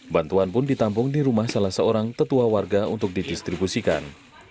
bantuan pun ditampung di rumah salah seorang tetua warga untuk didistribusikan